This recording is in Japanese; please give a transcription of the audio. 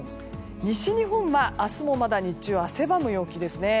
西日本は明日もまだ日中汗ばむ陽気ですね。